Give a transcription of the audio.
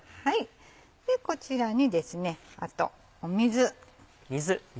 こちらにですねあと水。